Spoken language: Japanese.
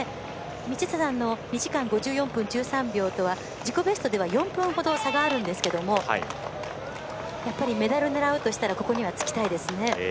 道下さんの２時間５４分１３秒とは自己ベストでは４分ほど差があるんですけどもやっぱり、メダルを狙うとしたらここにはつきたいですね。